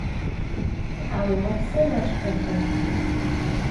Тхьауегъэпсэу ащ хэлъэп.